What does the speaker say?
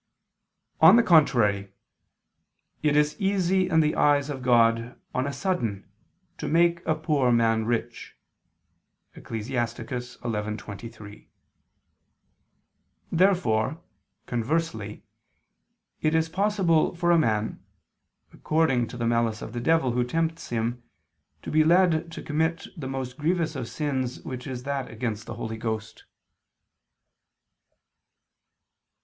On the contrary, "It is easy in the eyes of God on a sudden to make a poor man rich" (Ecclus. 11:23). Therefore, conversely, it is possible for a man, according to the malice of the devil who tempts him, to be led to commit the most grievous of sins which is that against the Holy Ghost.